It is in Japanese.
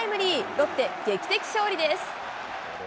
ロッテ、劇的勝利です。